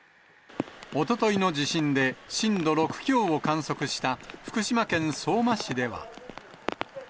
おとといの地震で震度６強を観測した福島県相馬市では。